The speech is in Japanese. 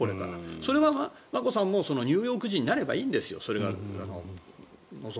それは眞子さんもニューヨーク人になればいいんですよ。